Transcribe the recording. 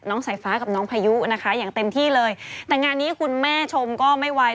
สายฟ้ากับน้องพายุนะคะอย่างเต็มที่เลยแต่งานนี้คุณแม่ชมก็ไม่ไหว